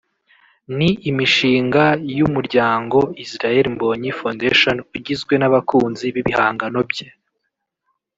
ni imishinga y'umuryango Israel Mbonyi Foundation ugizwe n'abakunzi b'ibihangano bye